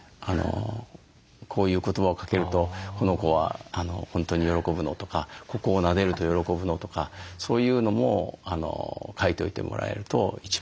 こういう言葉をかけるとこの子は本当に喜ぶのとかここをなでると喜ぶのとかそういうのも書いておいてもらえると一番いいんじゃないかなと思います。